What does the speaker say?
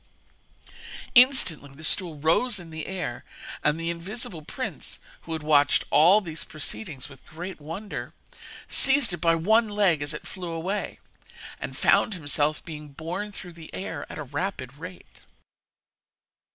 Instantly the stool rose in the air, and the invisible prince, who had watched all these proceedings with great wonder, seized it by one leg as it flew away, and found himself being borne through the air at a rapid rate.